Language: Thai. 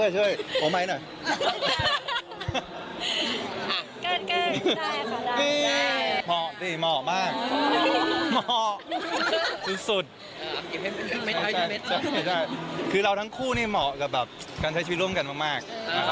คือเราทั้งคู่นี่เหมาะกับการใช้ชีวิตร่วมกันมาก